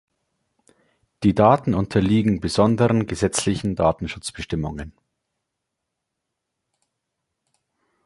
Die Daten unterliegen besonderen gesetzlichen Datenschutzbestimmungen.